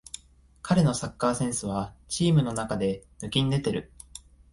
彼のサッカーセンスはチームの中で抜きんでてる